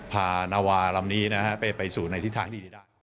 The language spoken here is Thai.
พานาวาลำนี้นะฮะไปสู่ในทิศทางที่ดี